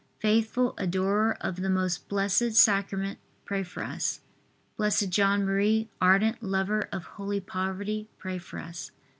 faithful adorer of the Most Blessed Sacrament, pray for us. B. J. M., ardent lover of holy poverty, pray for us.